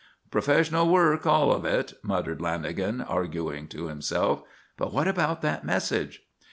"Professional work, all of it," muttered Lanagan, arguing to himself. "But what about that message?"